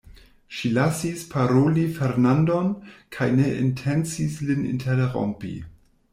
Ŝi lasis paroli Fernandon, kaj ne intencis lin interrompi.